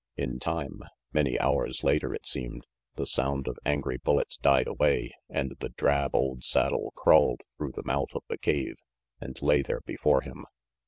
In time, many hours later, it seemed, the sound of angry bullets died away, and the drab old saddle crawled through the mouth of the cave and lay there before him.